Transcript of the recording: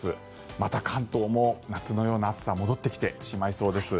また関東も夏のような暑さが戻ってきてしまいそうです。